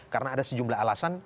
karena ada sejumlah alasan